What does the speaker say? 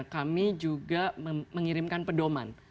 kami juga mengirimkan pedoman